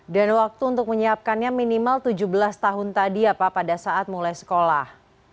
dan waktu untuk menyiapkannya minimal tujuh belas tahun tadi ya pak pada saat mulai sekolah